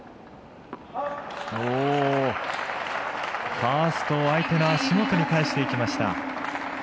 ファーストを相手の足元に返していきました。